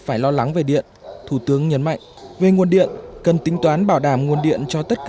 phải lo lắng về điện thủ tướng nhấn mạnh về nguồn điện cần tính toán bảo đảm nguồn điện cho tất